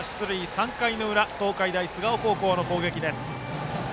３回の裏、東海大菅生高校の攻撃。